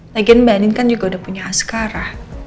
lagian mbak nin kan juga udah punya askara